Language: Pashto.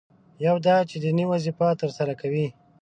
یو دا چې دیني وظیفه ترسره کوي.